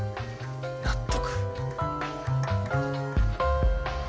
納得！